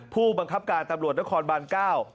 ผู้บังคับการตำรวจนครบานเก้า